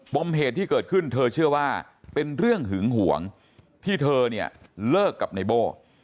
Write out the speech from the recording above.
มเหตุที่เกิดขึ้นเธอเชื่อว่าเป็นเรื่องหึงห่วงที่เธอเนี่ยเลิกกับในโบ้